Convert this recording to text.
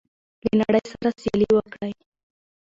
له نړۍ سره سیالي وکړئ.